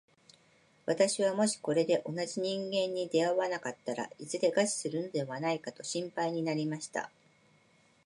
私はもしこれで同じ人間に出会わなかったら、いずれ餓死するのではないかと心配になりました。